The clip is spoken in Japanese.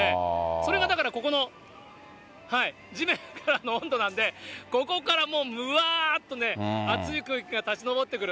それがだから、ここの地面からの温度なんで、ここからもうむわーっとね、暑い空気が立ち上ってくる。